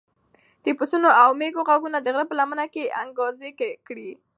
د پسونو او مېږو غږونه د غره په لمنه کې انګازې کړې.